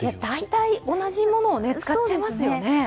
大体、同じものを使っちゃいますよね。